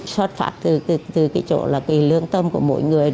xuất phát từ cái chỗ là cái lương tâm của mỗi người